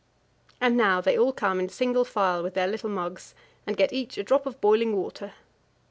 And now they all come in single file with their little mugs, and get each a drop of boiling water.